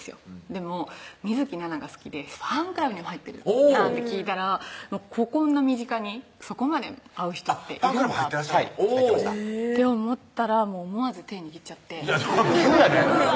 でも水樹奈々が好きでファンクラブにも入ってるなんて聞いたらこんな身近にそこまで合う人ってファンクラブ入ってらっしゃる入ってましたって思ったら思わず手握っちゃって急やねうわ！